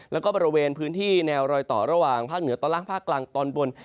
แล้วก็บริเวณพื้นที่แนวรอยต่อระหว่างภาคเหนือตอนล่างภาคกลางตอนบน